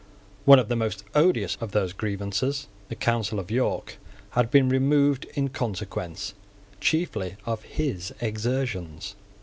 One of the most odious of those grievances, the Council of York, had been removed in consequence chiefly of his exertions.